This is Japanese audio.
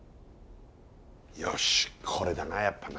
よしこれだなやっぱな。